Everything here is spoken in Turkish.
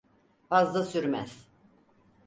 Fazla sürmez.